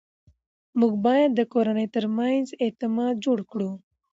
موږ باید د کورنۍ ترمنځ اعتماد جوړ کړو